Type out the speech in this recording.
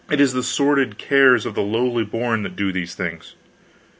It is the sordid cares of the lowly born that do these things.